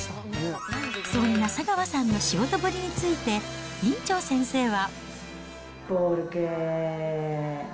そんな佐川さんの仕事ぶりについて、院長先生は。